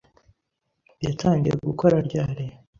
yatangiye gukora ryari?